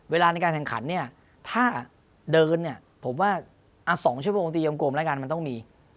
เวลาในการแข่งขันเนี่ยถ้าเดินเนี่ยผมว่า๒ชั่วโมงตียมกลมแล้วกันมันต้องมี